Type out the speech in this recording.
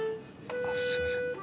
あっすいません。